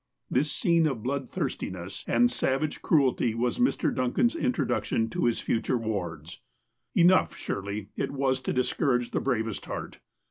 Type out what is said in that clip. This scene of bloodthirstiness and savage cruelty was Mr. Duncan's introduction to his fu ture wards. Enough, surely, it was to discourage the bravest lieart.